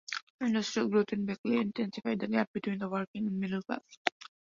Industrial growth in Beckley intensified the gap between the working and middle class.